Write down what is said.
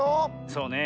そうね。